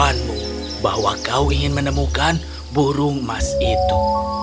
aku tahu bahwa kau ingin menemukan burung emas itu